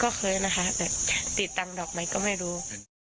ก็เคยนะคะแต่ติดตังดอกไหมก็ไม่รู้